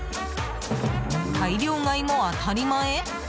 大量買いも当たり前？